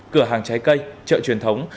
cửa hàng trái cây chợ truyền thống